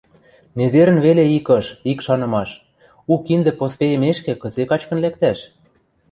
Незерӹн веле ик ыш, ик шанымаш — у киндӹ поспейӹмешкӹ, кыце качкын лӓктӓш?